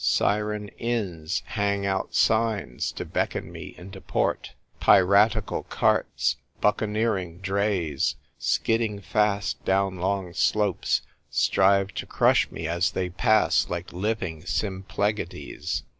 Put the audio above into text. Siren inns hang out signs to becken me into port ; piratical carts, bucca neering drays, skidding fast down long slopes, strive to crush me as they pass like living Symplegades.